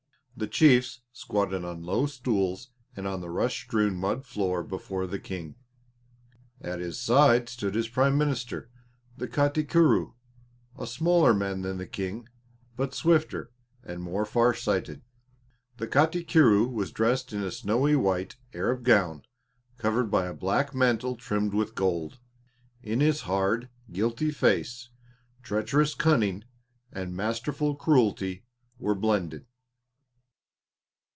The chiefs squatted on low stools and on the rush strewn mud floor before the King. At his side stood his Prime Minister, the Katikiro, a smaller man than the King, but swifter and more far sighted. The Katikiro was dressed in a snowy white Arab gown covered by a black mantle trimmed with gold. In his hard, guilty face treacherous cunning and masterful cruelty were blended.